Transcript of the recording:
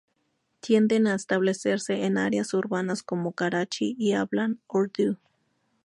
Tienden a establecerse en áreas urbanas como Karachi y hablan urdu.